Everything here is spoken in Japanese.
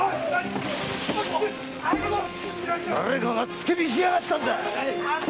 誰かが付け火しやがったんだ！